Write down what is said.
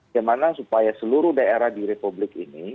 gimana supaya seluruh daerah di republik ini